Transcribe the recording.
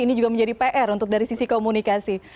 ini juga menjadi pr untuk dari sisi komunikasi